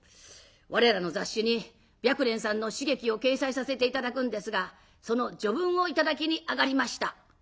我らの雑誌に白蓮さんの詩劇を掲載させて頂くんですがその序文を頂きに上がりました」。